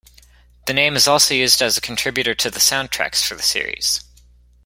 The name is also used as a contributor to the soundtracks for the series.